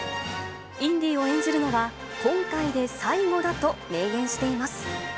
インディを演じるのは今回で最後だと明言しています。